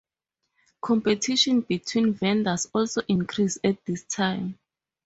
Competition between vendors also increased at this time.